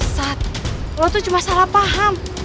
sat lo tuh cuma salah paham